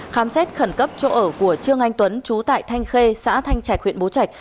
khám xét khẩn cấp chỗ ở của trương anh tuấn trú tại thanh khê xã thanh trạch huyện bố trạch